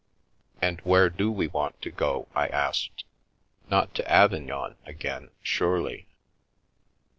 " And where do we want to go? " I asked. " Not to Avignon again, surely